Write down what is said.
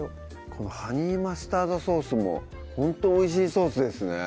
このハニーマスタードソースもほんとおいしいソースですね